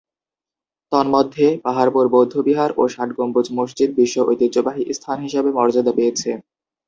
তন্মধ্যে পাহাড়পুর বৌদ্ধ বিহার ও ষাট গম্বুজ মসজিদ বিশ্ব ঐতিহ্যবাহী স্থান হিসেবে মর্যাদা পেয়েছে।